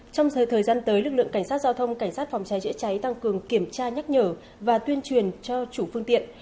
trong thời gian tới lực lượng cảnh sát giao thông cảnh sát phòng cháy chữa cháy tăng cường kiểm tra nhắc nhở và tuyên truyền cho chủ phương tiện